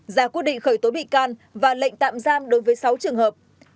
ra quyết định khởi tố bị can và lệnh tạm giam đối với sáu trường hợp